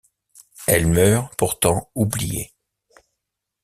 Elle meurt pourtant oubliée.